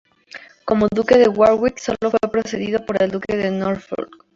Como duque de Warwick, solo fue precedido por el duque de Norfolk.